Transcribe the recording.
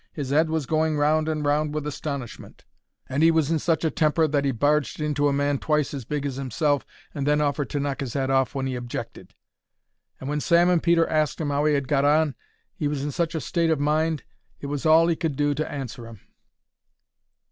His 'ead was going round and round with astonishment, and 'e was in such a temper that 'e barged into a man twice as big as himself and then offered to knock his 'ead off when 'e objected. And when Sam and Peter asked him 'ow he 'ad got on, he was in such a state of mind it was all 'e could do to answer 'em.